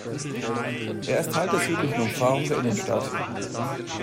Er ist Teil der südlichen Umfahrung der Innenstadt.